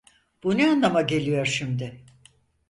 Bu ne anlama geliyor şimdi?